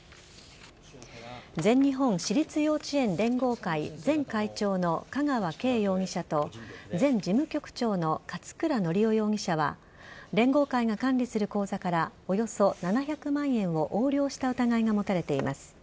全日本私立幼稚園連合会前会長の香川敬容疑者と全事務局長の勝倉教雄容疑者は連合会が管理する口座からおよそ７００万円を横領した疑いが持たれています。